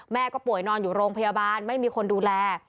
แม่ก็ป่วยนอนอยู่โรงพยาบาลไม่มีคนดูแล